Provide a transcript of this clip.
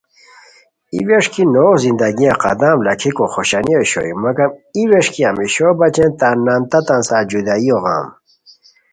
ای ووݰکی نوغ زندگیہ قدم لاکھیکو خوشانی اوشوئے مگم ای ووݰکی ہمیشو بچین تان نان تتان سار جُدائیو غم